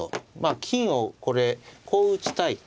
金をこれこう打ちたい。